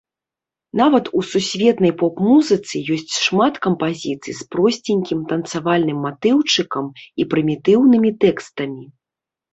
Нават у сусветнай поп-музыцы ёсць шмат кампазіцый з просценькім танцавальным матыўчыкам і прымітыўнымі тэкстамі.